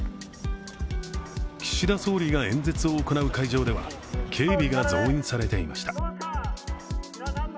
岸田総理が演説を行う会場では警備が増員されていました。